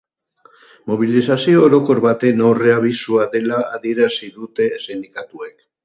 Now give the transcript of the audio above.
Mobilizazio orokor baten aurreabisua dela adierazi dute sindikatuek.